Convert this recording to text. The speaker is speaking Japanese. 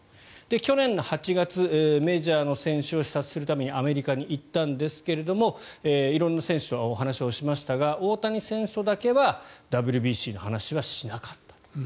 去年８月メジャーの選手を視察するためにアメリカに行ったんですが色んな選手とお話をしましたが大谷選手とだけはＷＢＣの話はしなかった。